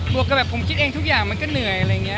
บวกกับผมคิดเองทุกอย่างมันก็เหนื่อย